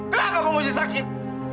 kenapa gue mesti sakit